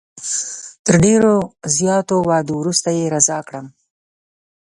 تر ډېرو زیاتو وعدو وروسته یې رضا کړم.